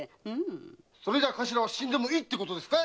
それじゃ頭は死んでもいいってことですかい？